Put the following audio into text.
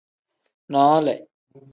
Noole.